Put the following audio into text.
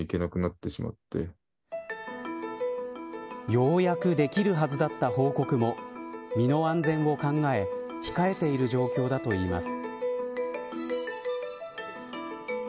ようやくできるはずだった報告も身の安全を考え控えている状況だといいます。